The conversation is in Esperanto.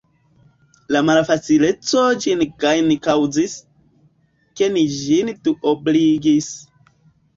La malfacileco ĝin gajni kaŭzis, ke ni ĝin duobligis.